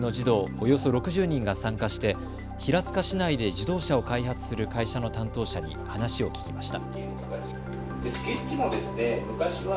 およそ６０人が参加して平塚市内で自動車を開発する会社の担当者に話を聞きました。